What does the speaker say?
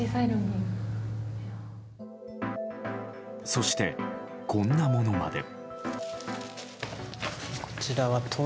そして、こんなものまで。